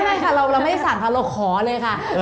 ไม่ค่ะเราไม่ได้สั่งค่ะเราขอเลยค่ะ